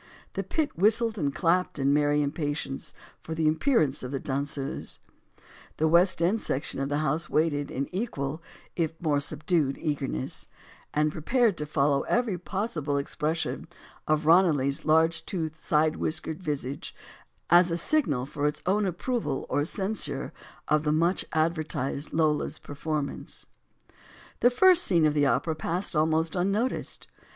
The pit whistled and clapped in merry impatience for the appearance of the danseuse. The West Encf section of the house waited in equal, if more subdued eagerness, and prepared to follow every possible ex pression of Ranelagh's large toothed, side whiskered visage as a signal for its own approval or censure of the much advertised Lola's performance. THE WOMAN WHO KICKED OVER A THROXE J The first scene of the opera passed almost un noticed.